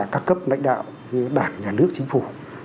các cấp lãnh đạo các bảng nhà nước chính phủ